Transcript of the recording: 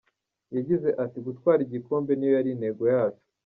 Yagize ati "Gutwara igikombe niyo yari intego yacu.